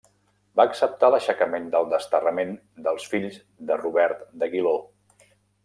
Va acceptar l'aixecament del desterrament dels fills de Robert d'Aguiló.